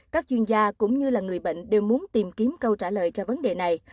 các chuyên gia cũng như là người bệnh đều muốn tìm kiếm câu trả lời cho vấn đề này